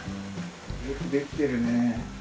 よく出来てるね。